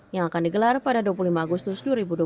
yang akan digelar pada dua puluh lima agustus dua ribu dua puluh